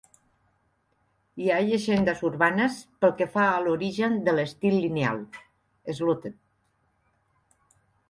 Hi ha llegendes urbanes pel que fa a l'origen de l'estil lineal (slotted).